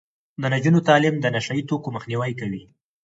د نجونو تعلیم د نشه يي توکو مخنیوی کوي.